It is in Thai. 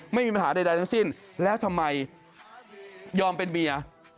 ไม่มีปัญหาใดทั้งสิ้นแล้วทำไมยอมเป็นเมีย